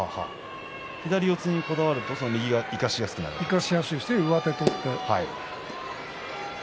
左四つにこだわると右が生かしやすいんですか。